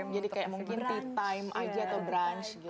jadi kayak mungkin tea time aja atau brunch gitu